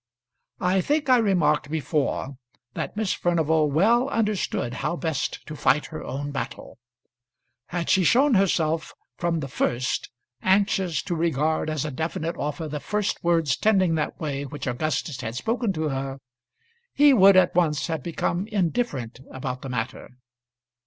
I think I remarked before that Miss Furnival well understood how best to fight her own battle. Had she shown herself from the first anxious to regard as a definite offer the first words tending that way which Augustus had spoken to her, he would at once have become indifferent about the matter.